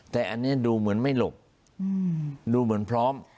แต่อันนี้ดูเหมือนไม่หลบดูเหมือนพร้อม